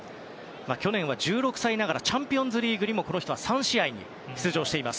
去年は１６歳ながらチャンピオンズリーグにもこの人は３試合出場しています。